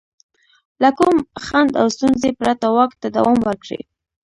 له کوم خنډ او ستونزې پرته واک ته دوام ورکړي.